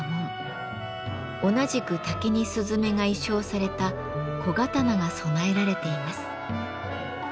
同じく竹にすずめが意匠された小刀が備えられています。